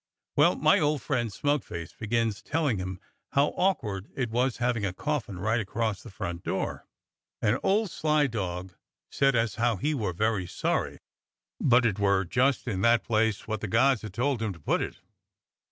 Well, my old friend smug face begins telling him how awk ward it was havin' a coffin right across the front door, and old sly dog said as how he were very sorry, but it were just in that place wot the gods had told him to put it.